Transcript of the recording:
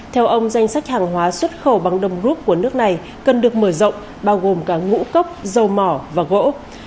theo ông danh sách hàng hóa xuất khẩu bằng đồng rút của nước này cần được mở rộng bao gồm cả ngũ cốc dầu mỏ và gỗ